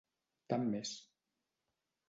Tant m'és.